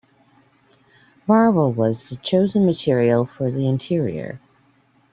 Marble was the chosen material for the interior.